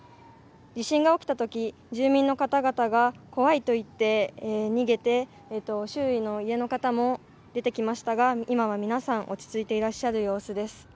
地震が起きたとき住民の方々が怖いと言って逃げて周囲の家の方も出てきましたが今は皆さん落ち着いていらっしゃる様子です。